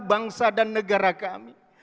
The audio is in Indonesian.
bangsa dan negara kami